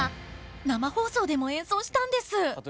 生放送でも演奏したんです！